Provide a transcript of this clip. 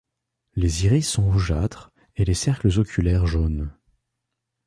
Les iris sont rougeâtres et les cercles oculaires jaunes.